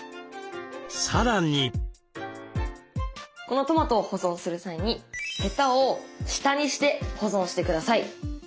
このトマトを保存する際にヘタを下にして保存してください。